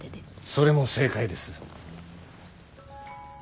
それも正解です。